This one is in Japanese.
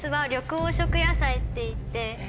っていって。